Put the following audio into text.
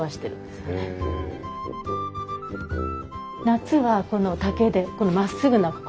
夏はこの竹でこの真っすぐな心。